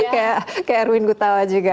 kayak erwin gutawa juga